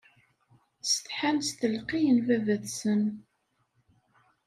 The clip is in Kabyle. Ssetḥan s tleqqi n baba-tsen.